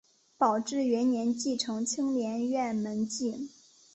宝治元年继承青莲院门迹。